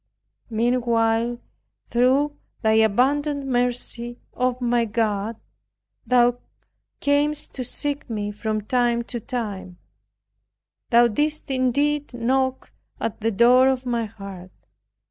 Meanwhile, through thy abundant mercy, O my God, Thou camest to seek me from time to time, Thou didst indeed knock at the door of my heart.